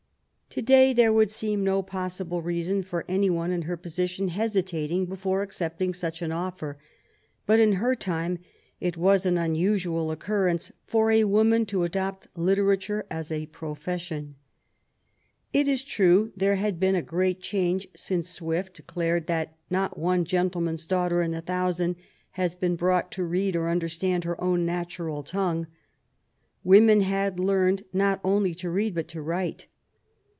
To day there would seem no possible reason for any one in her position hesitating before accepting such an ofier; but in her time it was an unusual occur rence for a woman to adopt literature as a profession. It is true there had been a great change since Swift declared that ''not one gentleman^s daughter in a thousand has been brought to read or understand her own natural tongue." Women had learned not only to read, but to write.